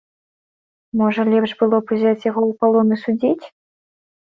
Можа лепш было б узяць яго ў палон і судзіць?